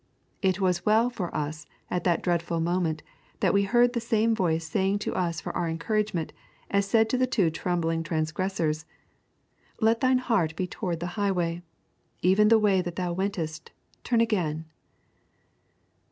It was well for us at that dreadful moment that we heard the same voice saying to us for our encouragement as said to the two trembling transgressors: 'Let thine heart be toward the highway, even the way that thou wentest; turn again.'